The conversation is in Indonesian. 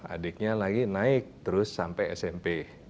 adiknya lagi naik terus sampai smp